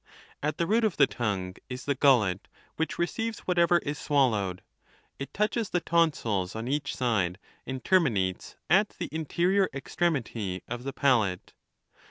At the root of the tongue is the gullet, which receives whatever is swallowed : it touches the tonsils on each side, and terminates at the interior extremity of the palate.